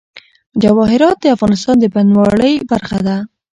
جواهرات د افغانستان د بڼوالۍ برخه ده.